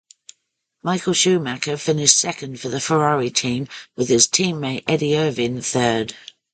Michael Schumacher finished second for the Ferrari team with his teammate Eddie Irvine third.